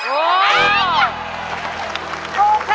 โอเค